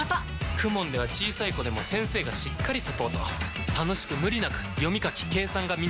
ＫＵＭＯＮ では小さい子でも先生がしっかりサポート楽しく無理なく読み書き計算が身につきます！